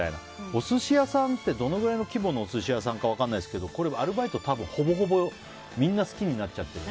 お寿司屋さんってどのぐらいの規模のお寿司屋さんか分かんないですけどこれ、アルバイト、ほぼほぼみんな好きになっちゃってるね。